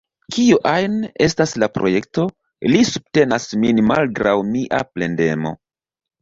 Kio ajn estas la projekto, li subtenas min malgraŭ mia plendemo.